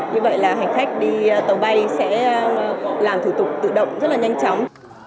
như vậy là hành khách đi tàu bay sẽ làm thủ tục tự động rất là nhanh chóng